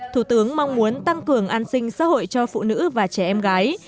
thủ tướng mong muốn tăng cường an sinh xã hội cho phụ nữ và trẻ em gái